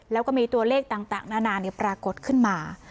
แล้วก็มีตัวเลขต่างนานาปรากฏขึ้นมา